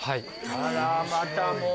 あらまたもう。